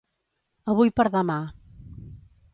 Avui per demà.